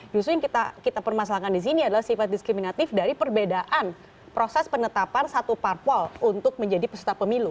justru yang kita permasalahkan di sini adalah sifat diskriminatif dari perbedaan proses penetapan satu parpol untuk menjadi peserta pemilu